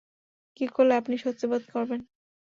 কি করলে আপনি স্বস্তিবোধ করবেন?